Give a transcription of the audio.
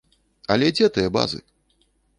Але дзе тыя базы?